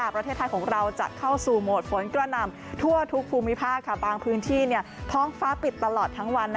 ประเทศไทยของเราจะเข้าสู่โหมดฝนกระหน่ำทั่วทุกภูมิภาคบางพื้นที่ท้องฟ้าปิดตลอดทั้งวัน